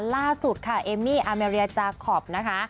ล่าสุดค่ะเอมมี่อาเมรียจาคอปนะคะ